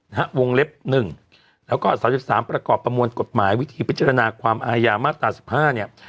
วงเล็บหนึ่งแล้วก็สามสิบสามประกอบประมวลกฎหมายวิธีพิจารณาความอายามาตราสิบห้าเนี่ย